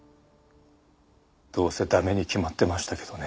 どうせ駄目に決まってましたけどね。